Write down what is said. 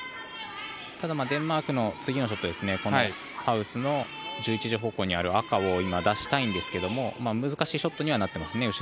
ただ、デンマークの次のショットこのハウスの１１時方向にある赤を出したいんですけど難しいショットにはなっていますね。